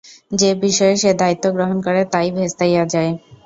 যে বিষয়ে সে দায়িত্ব গ্রহণ করে তাই ভেস্তাইয়া যায়।